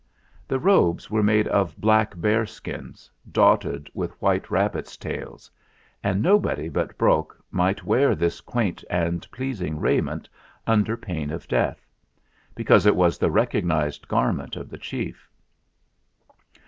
The robes were made of black bear skins, dotted with white rabbits' tails ; and THE REIGN OF PHUTT 45 nobody but Brok might wear this quaint and pleasing raiment under pain of death; because it was the recognised garment of the chief.